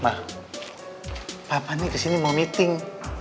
ma papa nih kesini mau meeting